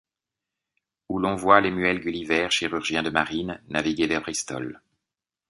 Où l’on voit Lemuel Gulliver, chirurgien de marine, naviguer vers Bristol.